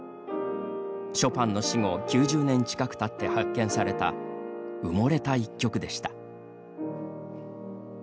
ショパンの死後９０年近くたって発見された、埋もれた１曲でした。